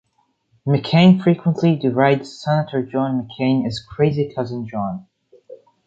McCain frequently derides Senator John McCain as "Crazy Cousin John".